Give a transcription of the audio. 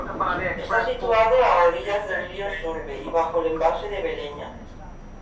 Está situado a orillas del río Sorbe y bajo el embalse de Beleña.